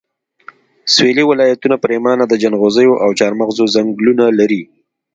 سويلي ولایتونه پرېمانه د جنغوزیو او چارمغزو ځنګلونه لري